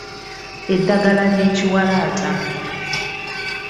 Eddagala ly’ekiwalaata.